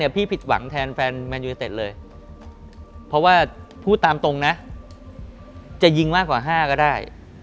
เพราะว่าพูดตามตรงนะจะยิงมากกว่า๕ก็ได้